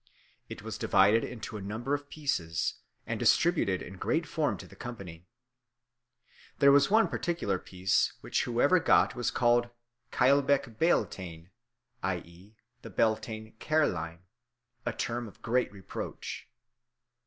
It was divided into a number of pieces, and distributed in great form to the company. There was one particular piece which whoever got was called cailleach beal tine i.e., the Beltane carline, a term of great reproach.